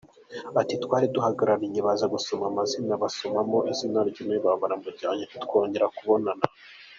Ati “Twari duhagararanye, baza gusoma amazina na we basomamo irye baba baramujyanye, ntitwongeye kumubona.”